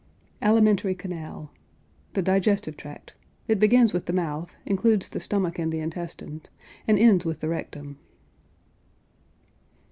ALIMENTARY CANAL. The digestive tract. It begins with the mouth, includes the stomach and the intestines, and ends with the rectum.